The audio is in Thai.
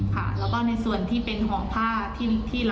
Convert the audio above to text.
ค่ะแล้วก็ในส่วนที่เป็นหอมผ้าที่ที่เรากินใส่ตลับอาธิแบบทิเซียนแล้ว